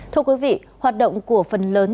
thưa quý vị hoạt động của phần lớn